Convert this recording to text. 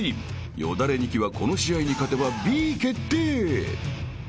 ［よだれニキはこの試合に勝てばＢ決定］